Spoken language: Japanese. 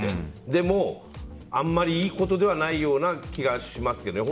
でも、あんまりいいことではないような気がしますけどね。